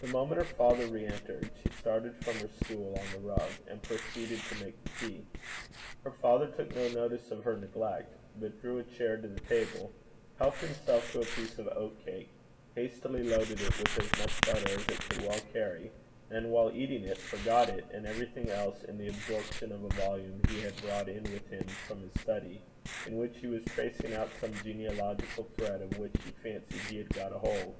The moment her father re entered, she started from her stool on the rug, and proceeded to make the tea. Her father took no notice of her neglect, but drew a chair to the table, helped himself to a piece of oat cake, hastily loaded it with as much butter as it could well carry, and while eating it forgot it and everything else in the absorption of a volume he had brought in with him from his study, in which he was tracing out some genealogical thread of which he fancied he had got a hold.